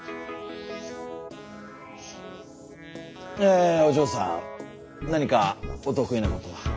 えお嬢さん何かお得意なことは？